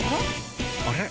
あれ？